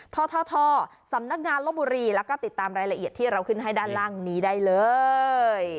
ททสำนักงานลบบุรีแล้วก็ติดตามรายละเอียดที่เราขึ้นให้ด้านล่างนี้ได้เลย